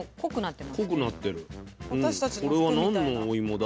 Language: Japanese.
これは何のおいもだ？